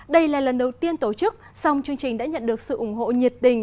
đây là lần đầu tiên tổ chức song chương trình đã nhận được sự ủng hộ nhiệt tình